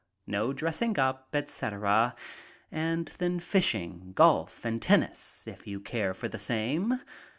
No dressing up, etc., and then fishing, golf and tennis if you care for the same.